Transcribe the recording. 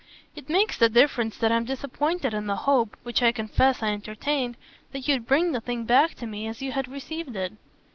"It makes the difference that I'm disappointed in the hope which I confess I entertained that you'd bring the thing back to me as you had received it."